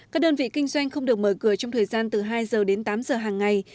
các đơn vị kinh doanh không được mở cửa trong thời gian từ hai giờ đến tám giờ hàng ngày